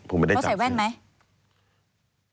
ผมไม่ได้จับเสื้อเขาใส่แว่นไหม